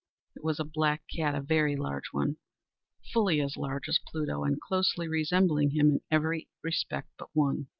It was a black cat—a very large one—fully as large as Pluto, and closely resembling him in every respect but one.